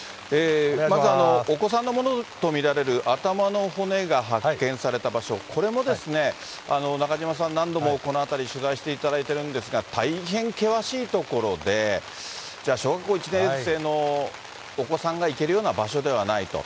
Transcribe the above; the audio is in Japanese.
まず、お子さんのものとみられる頭の骨が発見された場所、これもですね、中島さん、何度もこの辺り、取材していただいてるんですが、大変険しい所で、じゃあ、小学校１年生のお子さんが行けるような場所ではないと。